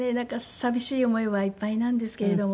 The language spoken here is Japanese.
寂しい思いはいっぱいなんですけれども。